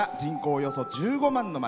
およそ１５万の町。